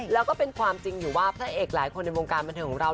แล้วก็เป็นความจริงอยู่ว่าพระเอกหลายคนในวงการบันเทิงของเรา